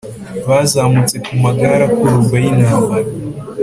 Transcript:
bazamutse ku magare akururwa y’intambara,